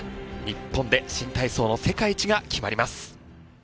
日本で新体操の世界一が決まります。